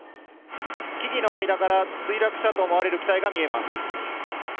木々の間から墜落したと思われる機体が見えます。